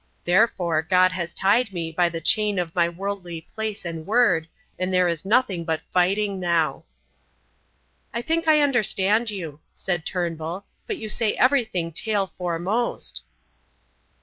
Therefore, God has tied me by the chain of my worldly place and word, and there is nothing but fighting now." "I think I understand you," said Turnbull, "but you say everything tail foremost."